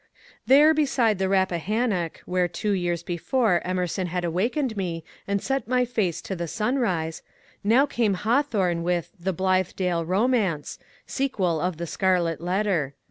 There beside the Rappahannock, where two years before Emerson had awakened me and set my face to the sunrise, now came Hawthorne with ^^The Blithedale Bomance," sequel of "The Scarlet Letter."